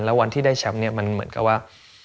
แล้ววันที่ได้แชมป์เนี่ยมันเหมือนกับว่า